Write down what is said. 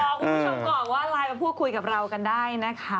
คุณผู้ชมก่อนว่าไลน์มาพูดคุยกับเรากันได้นะคะ